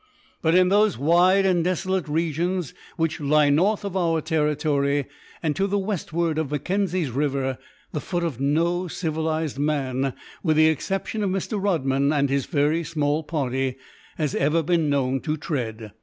But in those wide and desolate regions which lie north of our territory, and to the westward of Mackenzie's river, the foot of no civilized man, with the exception of Mr. Rodman and his very small party, has ever been known to tread.